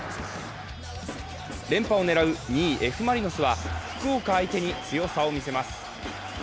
連覇を狙う２位、Ｆ・マリノスは福岡相手に強さを見せます。